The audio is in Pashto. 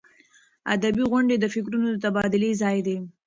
ادبي غونډې د فکرونو د تبادلې ځای دی.